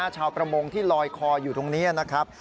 ชาวประมงที่ลอยคออยู่ตรงนี้นะครับ